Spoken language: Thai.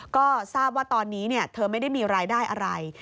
ก็ทราบว่าตอนนี้เธอไม่ได้มีรายได้อะไร